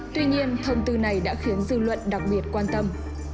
tuy nhiên thông tư này đã khiến dư luận đặc biệt quan tâm